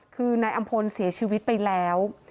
คือนายอำพลเสียชีวิตไปแล้ว